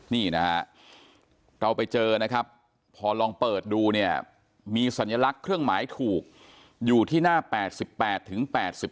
นี่นะฮะเราไปเจอนะครับพอลองเปิดดูเนี่ยมีสัญลักษณ์เครื่องหมายถูกอยู่ที่หน้า๘๘ถึง๘๘